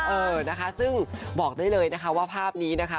เออนะคะซึ่งบอกได้เลยนะคะว่าภาพนี้นะคะ